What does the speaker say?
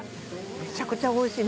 めちゃくちゃおいしい！